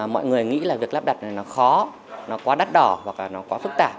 mọi người nghĩ là việc lắp đặt nó khó nó quá đắt đỏ hoặc là nó quá phức tạp